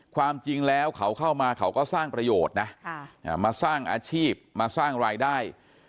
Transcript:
ความจริงแล้วเขาเข้ามาเขาก็สร้างประโยชน์นะมาสร้างอาชีพมาสร้างรายได้